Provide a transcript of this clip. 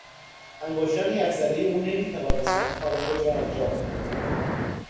انگشتان یخ زدهی او نمیتوانستند کار خود را انجام بدهند.